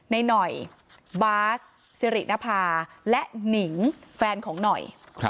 หน่อยบาสสิรินภาและหนิงแฟนของหน่อย